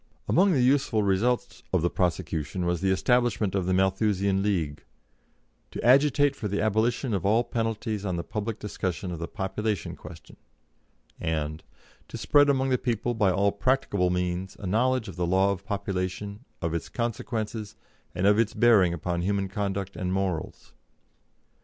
Among the useful results of the prosecution was the establishment of the Malthusian League, "to agitate for the abolition of all penalties on the public discussion of the population question," and "to spread among the people, by all practicable means, a knowledge of the law of population, of its consequences, and of its bearing upon human conduct and morals."